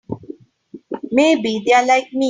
Maybe they're like me.